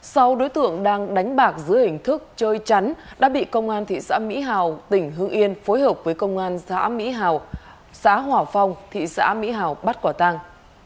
sau đối tượng đang đánh bạc giữa hình thức chơi chắn đã bị công an thị xã mỹ hào tỉnh hương yên phối hợp với công an thị xã mỹ hào xã hỏa phong thị xã mỹ hào bắt quả tang